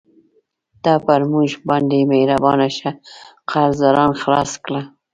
ته پر موږ باندې مهربانه شه، قرضداران خلاص کړه.